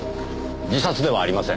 自殺ではありません。